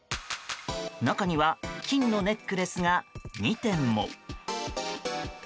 中には金のネックレスが２点も。